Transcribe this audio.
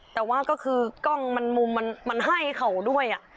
แต่ว่าก็คือกล้องมันมุมมันให้เขาด้วย